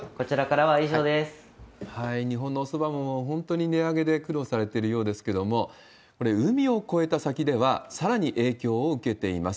日本のおそばも本当に値上げで苦労されてるようですけれども、これ、海を越えた先ではさらに影響を受けています。